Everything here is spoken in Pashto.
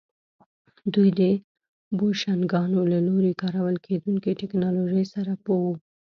دوی د بوشنګانو له لوري کارول کېدونکې ټکنالوژۍ سره پوه وو